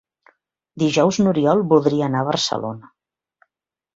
Dijous n'Oriol voldria anar a Barcelona.